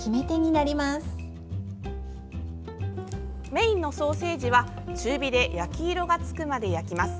メインのソーセージは中火で焼き色がつくまで焼きます。